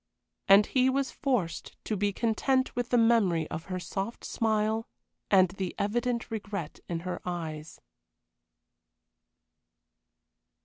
And he was forced to be content with the memory of her soft smile and the evident regret in her eyes.